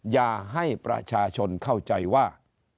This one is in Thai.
อย่าให้ประชาชนเข้าใจว่า